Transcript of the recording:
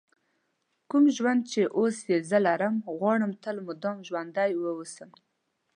کوم ژوند چې اوس یې زه لرم غواړم تل مدام ژوندی ووسم.